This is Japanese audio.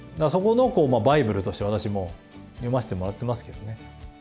そこのバイブルとして私も読ませてもらってますけどね。